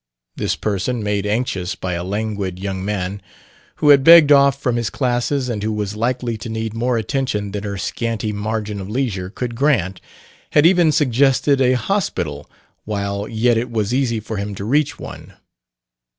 This person, made anxious by a languid young man who had begged off from his classes and who was likely to need more attention than her scanty margin of leisure could grant, had even suggested a hospital while yet it was easy for him to reach one.